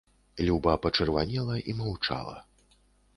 Люба пачырванела і маўчала.